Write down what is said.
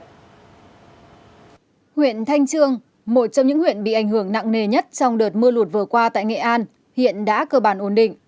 huyện thanh trương một trong những huyện bị ảnh hưởng nặng nề nhất trong đợt mưa lụt vừa qua tại nghệ an hiện đã cơ bản ổn định